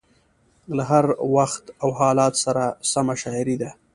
له هر وخت او حالاتو سره سمه شاعري ده.